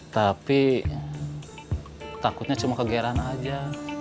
tapi takutnya cuma kegeran aja